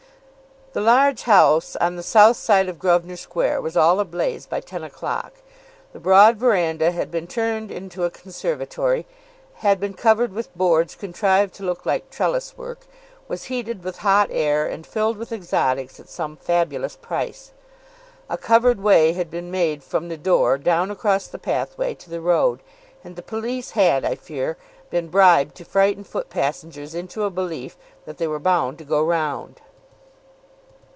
The large house on the south side of Grosvenor Square was all ablaze by ten o'clock. The broad verandah had been turned into a conservatory, had been covered in with boards contrived to look like trellis work, was heated with hot air and filled with exotics at some fabulous price. A covered way had been made from the door, down across the pathway, to the road, and the police had, I fear, been bribed to frighten foot passengers into a belief that they were bound to go round.